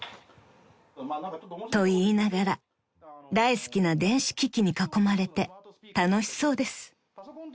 ［と言いながら大好きな電子機器に囲まれて楽しそうです］